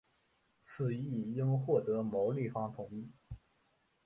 此议获得毛利方同意。